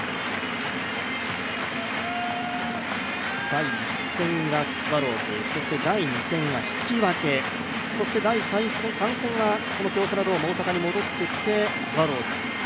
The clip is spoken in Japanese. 第１戦がスワローズ、第２戦が引き分け、そして第３戦がこの京セラドーム大阪に戻ってきてスワローズ。